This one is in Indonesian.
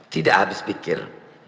tidak habis pikir